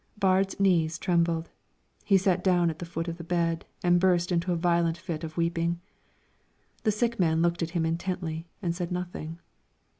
Baard's knees trembled; he sat down at the foot of the bed and burst into a violent fit of weeping. The sick man looked at him intently and said nothing.